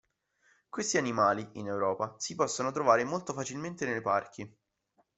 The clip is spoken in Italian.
Questi animali, in Europa, si possono trovare molto facilmente nei parchi.